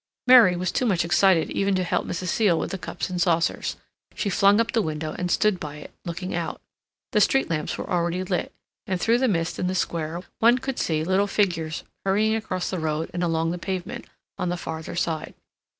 Mary was too much excited even to help Mrs. Seal with the cups and saucers. She flung up the window and stood by it, looking out. The street lamps were already lit; and through the mist in the square one could see little figures hurrying across the road and along the pavement, on the farther side.